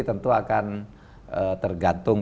tentu akan tergantung